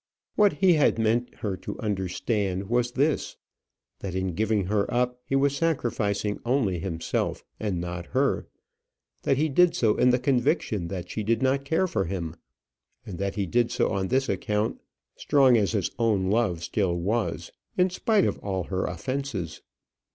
What he had meant her to understand was this: that in giving her up he was sacrificing only himself, and not her; that he did so in the conviction that she did not care for him; and that he did so on this account, strong as his own love still was, in spite of all her offences.